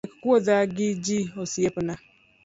We kuodha gi ji osiepna